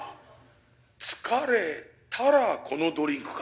疲れたらこのドリンクか。